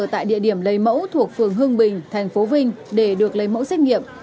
tại địa điểm lấy mẫu thuộc phường hương bình thành phố vinh để được lấy mẫu xét nghiệm